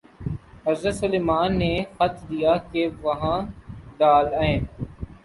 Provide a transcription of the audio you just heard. حضرت سلیمان نے خط دیا کہ وہاں ڈال آئے۔